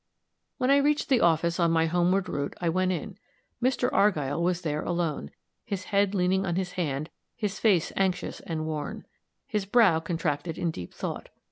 When I reached the office, on my homeward route, I went in. Mr. Argyll was there alone, his head leaning on his hand, his face anxious and worn, his brow contracted in deep thought.